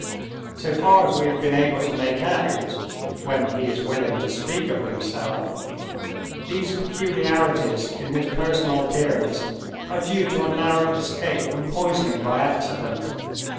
So far as we have been able to make out (when he is willing to speak of himself), these peculiarities in his personal appearance are due to a narrow escape from poisoning by accident.